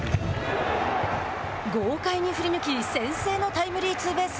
豪快に振り抜き先制のタイムリーツーベース。